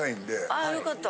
あよかった。